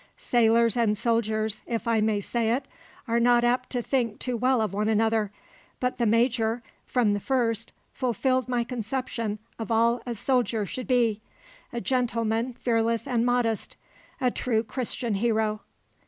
Sailors and soldiers, if I may say it, are not apt to think too well of one another; but the Major from the first fulfilled my conception of all a soldier should be a gentleman fearless and modest, a true Christian hero.